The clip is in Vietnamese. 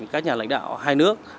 các nhà lãnh đạo hai nước